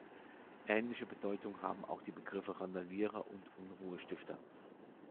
Ähnliche Bedeutung haben auch die Begriffe Randalierer und „Unruhestifter“.